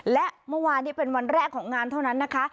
และเมื่อวานนี้เป็นวันแรกของงานเท่านั้นนะคะ